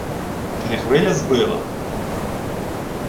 Чи не хвиля збила?